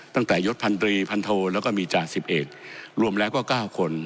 ตั้งแต่ยศพันตรีพันโทแล้วก็มีจ่าสิบเอกรวมแล้วก็๙คน